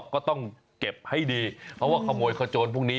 ก็ต้องเก็บให้ดีเพราะว่าขโมยขโจรพวกนี้